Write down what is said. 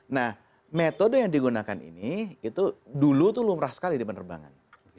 nah metode yang digunakan ini itu dulu itu lumrah sekali di penerbangan